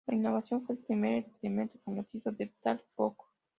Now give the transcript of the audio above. La innovación fue el primer experimento conocido de talk box.